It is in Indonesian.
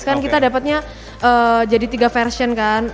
kan kita dapatnya jadi tiga version kan